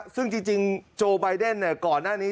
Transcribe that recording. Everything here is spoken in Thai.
ซึ่งจริงโจไบเดนก่อนหน้านี้